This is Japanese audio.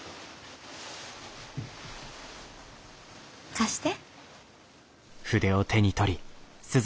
貸して。